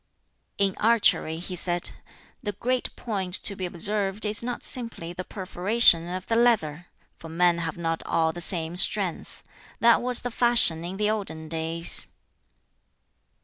"In archery," he said, "the great point to be observed is not simply the perforation of the leather; for men have not all the same strength. That was the fashion in the olden days."